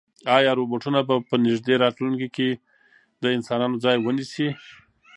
ایا روبوټونه به په نږدې راتلونکي کې د انسانانو ځای ونیسي؟